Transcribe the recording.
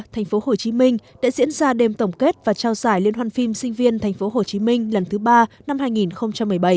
thành phố hồ chí minh đã diễn ra đêm tổng kết và trao giải liên hoan phim sinh viên thành phố hồ chí minh lần thứ ba năm hai nghìn một mươi bảy